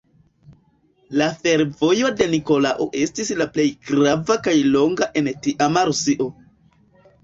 La fervojo de Nikolao estis la plej grava kaj longa en tiama Rusio.